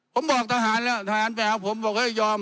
ผมบอกทหารแล้วทหารไปหาผมบอกเฮ้ยยอม